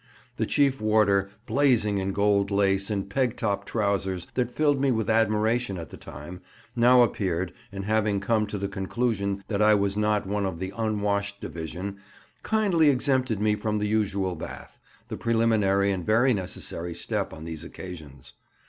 The chief warder, blazing in gold lace and pegtop trousers that filled me with admiration at the time, now appeared, and having come to the conclusion that I was not one of the "unwashed" division, kindly exempted me from the usual bath, the preliminary and very necessary step on these occasions.